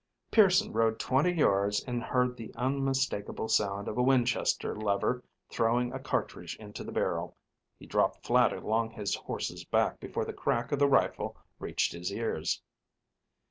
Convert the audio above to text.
Pearson rode twenty yards and heard the unmistakable sound of a Winchester lever throwing a cartridge into the barrel. He dropped flat along his horse's back before the crack of the rifle reached his ears.